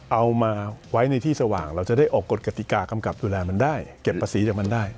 เอามาไว้ในที่สว่างเราจะได้ออกกฎกติกากำกับดูแลมันได้เก็บภาษีจากมันได้